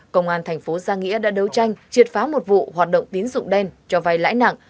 công an thành phố giang nghĩa đã đấu tranh triệt phá một vụ hoạt động tín dụng đen cho vai lãi nặng